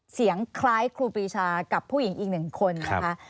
เสียงคล้ายครูปีชากับผู้หญิงอีกหนึ่งคนนะคะ